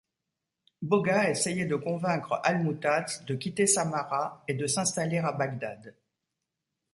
Bogha essayait de convaincre Al-Mu`tazz de quitter Samarra et de s’installer à Bagdad.